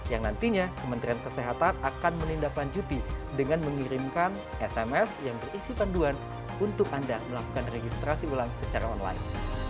yang nantinya kementerian kesehatan akan menindaklanjuti dengan mengirimkan sms yang berisi panduan untuk anda melakukan registrasi ulang secara online